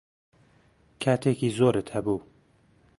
کاتێکی زۆرت هەبوو.